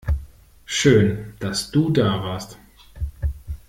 Schön, dass du da warst.